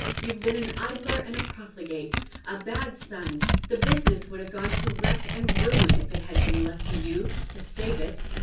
You've been an idler and a profligate — a bad son, the business would have gone to wreck and ruin if it had been left to you to save it.